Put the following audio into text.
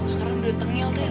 sekarang udah tenggel terry